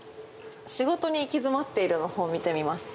「仕事に行き詰っている」の本を見てみます。